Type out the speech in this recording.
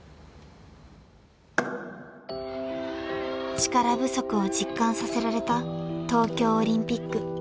［力不足を実感させられた東京オリンピック］